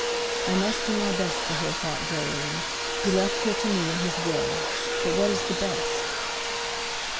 "I must do my best for her," thought Jolyon; "he left her to me in his will. But what is the best?"